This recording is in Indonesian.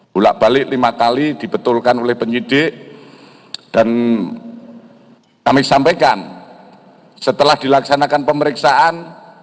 bulat balik lima kali dibetulkan oleh penyidik dan kami sampaikan setelah dilaksanakan pemeriksaan